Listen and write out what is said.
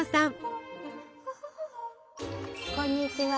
こんにちは。